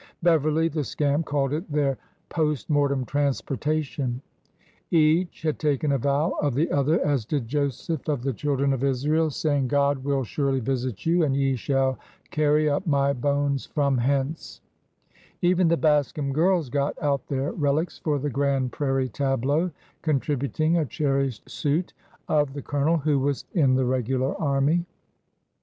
(Beverly, the scamp, called it their ''post mortem transportation.") Each had taken a vow of the other, as did Joseph of the children of Israel, saying, LIVING PICTURES 127 '' God will surely visit you, and ye shall carry up my bones from hence/' Even the Bascom girls got out their relics for the Grand Prairie tableaux, contributing a cherished suit of the colonel who was in the regular army.